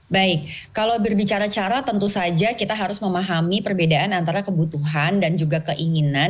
baik kalau berbicara cara tentu saja kita harus memahami perbedaan antara kebutuhan dan juga keinginan